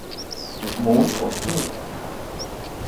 母左氏。